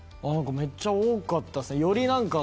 めっちゃ多かったです。